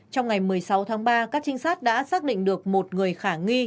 trong ngày một mươi sáu tháng ba các trinh sát đã xác định được một người khả nghi